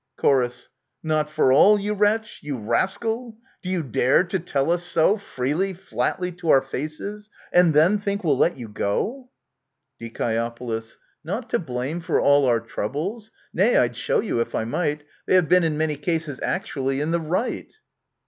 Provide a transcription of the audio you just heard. Chor. Not for all, you wretch ! you rascal ! Do you dare to tell us so Freely, flatly to our faces, and then think we'll let you go ? Die. Not to blame for all our troubles ; nay, I'd show you, if I might, They have been in many cases actually in the right